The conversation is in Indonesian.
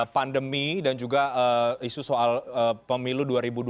pandemi dan juga isu soal pemilu dua ribu dua puluh